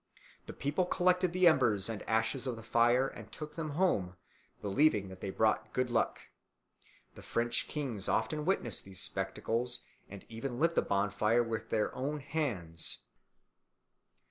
The people collected the embers and ashes of the fire and took them home, believing that they brought good luck. The French kings often witnessed these spectacles and even lit the bonfire with their own hands.